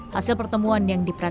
hasil pertemuan yang diperoleh